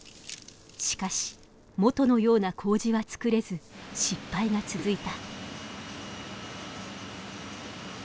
しかし元のような麹はつくれず失敗が続いた。